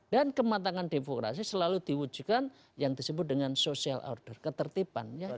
dan kematangan demokrasi selalu diwujudkan yang disebut dengan social order ketertiban